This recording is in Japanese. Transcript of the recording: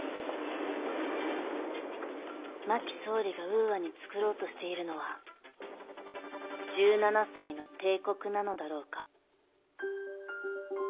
真木総理がウーアに創ろうとしているのは１７才の帝国なのだろうか。